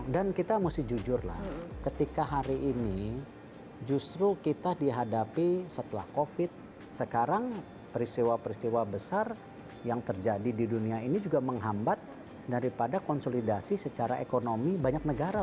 dan kita mesti jujur lah ketika hari ini justru kita dihadapi setelah covid sekarang peristiwa peristiwa besar yang terjadi di dunia ini juga menghambat daripada konsolidasi secara ekonomi banyak negara